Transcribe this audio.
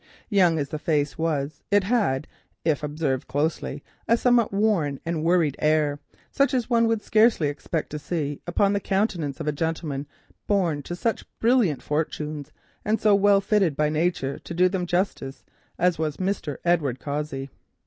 Young as the face was, it had, if observed closely, a somewhat worn and worried air, such as one would scarcely expect to see upon the countenance of a gentleman born to such brilliant fortunes, and so well fitted by nature to do them justice, as was Mr. Edward Cossey.